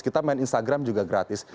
kita main instagram juga gratis